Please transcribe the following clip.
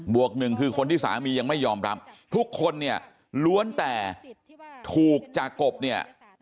วกหนึ่งคือคนที่สามียังไม่ยอมรับทุกคนเนี่ยล้วนแต่ถูกจากกบเนี่ย